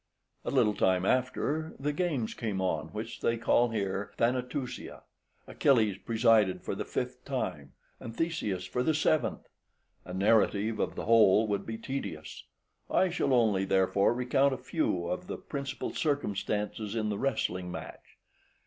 A little time after the games came on, which they call here Thanatusia. Achilles presided for the fifth time, and Theseus for the seventh. A narrative of the whole would be tedious; I shall only, therefore, recount a few of the principal circumstances in the wrestling match.